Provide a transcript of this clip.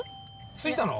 着いたの？